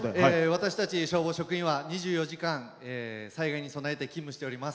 私たち消防職員は２４時間災害に備えて勤務しております。